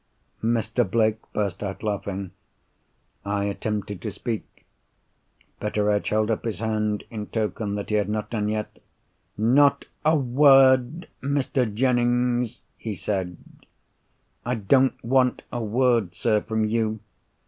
Mr. Blake burst out laughing. I attempted to speak. Betteredge held up his hand, in token that he had not done yet. "Not a word, Mr. Jennings!" he said, "It don't want a word, sir, from you.